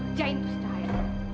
lajain terus cahaya